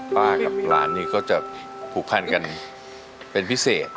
กับหลานนี่ก็จะผูกพันกันเป็นพิเศษ